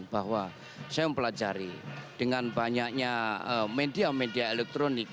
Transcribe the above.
bahwa saya mempelajari dengan banyaknya media media elektronik